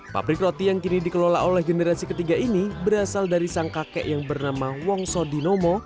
pabrik roti yang kini dikelola oleh generasi ketiga ini berasal dari sang kakek yang bernama wong so dinomo